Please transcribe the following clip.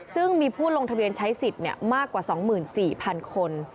ซึ่งมีผู้ลงทะเบียนใช้สิทธิ์มากกว่า๒๔๐๐๐คน